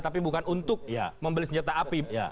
tapi bukan untuk membeli senjata api